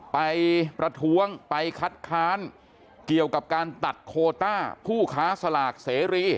ไปประท้วงไปคัดค้านเกี่ยวกับการตัดโคต้าผู้ค้าสลากเสรี